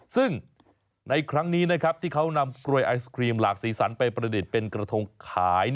ซึ่งในครั้งนี้นะครับที่เขานำกลวยไอศครีมหลากสีสันไปประดิษฐ์เป็นกระทงขาย